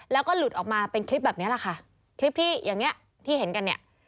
แล้วก็หลุดออกมาเป็นคลิปแบบนี้แหละค่ะคลิปที่อย่างเงี้ที่เห็นกันเนี่ย